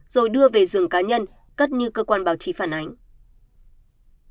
rồi đưa về rừng cá nhân cất như cơ quan báo chí phản ánh